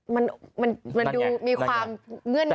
มันดูมีความเงื่อนไน